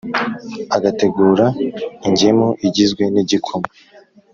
agateguraingemu igizwe n’igikoma